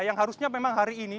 yang harusnya memang hari ini